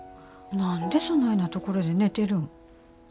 何でそないな所で寝てるん。